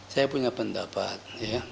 saya punya pendapat